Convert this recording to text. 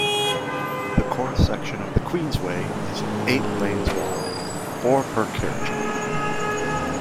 The core section of the Queensway is eight lanes wide, four per carriageway.